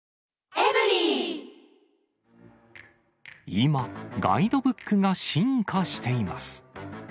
今、ガイドブックが進化しています。